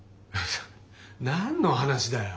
何の話だよ。